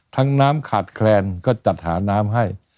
น้ำขาดแคลนก็จัดหาน้ำให้